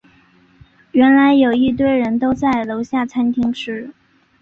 原来有一堆人都在楼下餐厅吃